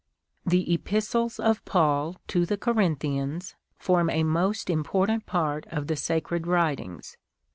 •"• The Epistles of Paul to the Corinthians fonn a most important part of the Sacred Writings.